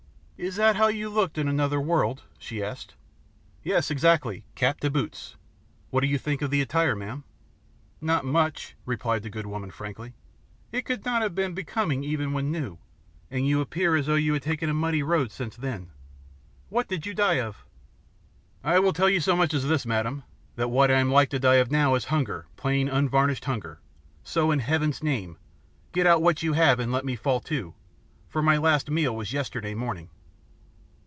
"Is that how you looked in another world?" she asked. "Yes, exactly, cap to boots. What do you think of the attire, ma'am?" "Not much," replied the good woman frankly. "It could not have been becoming even when new, and you appear as though you had taken a muddy road since then. What did you die of?" "I will tell you so much as this, madam that what I am like to die of now is hunger, plain, unvarnished hunger, so, in Heaven's name, get out what you have and let me fall to, for my last meal was yesterday morning."